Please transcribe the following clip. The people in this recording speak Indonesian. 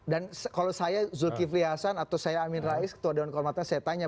dan kalau saya zulkifli hasan atau saya amin rais ketua dewan keuamatan saya tanya